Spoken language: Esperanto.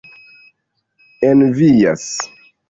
envias